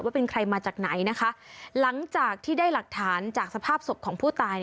เป็นใครมาจากไหนนะคะหลังจากที่ได้หลักฐานจากสภาพศพของผู้ตาย